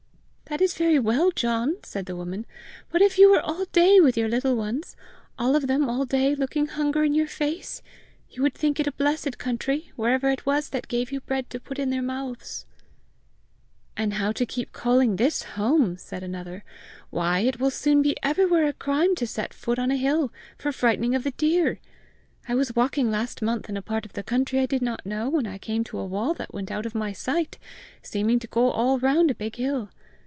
"That is very well, John!" said the woman; "but if you were all day with your little ones all of them all day looking hunger in your face, you would think it a blessed country wherever it was that gave you bread to put in their mouths!" "And how to keep calling this home!" said another. "Why, it will soon be everywhere a crime to set foot on a hill, for frightening of the deer! I was walking last month in a part of the county I did not know, when I came to a wall that went out of my sight, seeming to go all round a big hill.